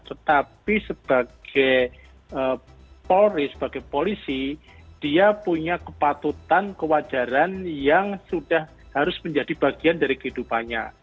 tetapi sebagai polri sebagai polisi dia punya kepatutan kewajaran yang sudah harus menjadi bagian dari kehidupannya